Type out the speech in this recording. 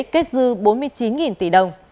kết dư bốn mươi chín tỷ đồng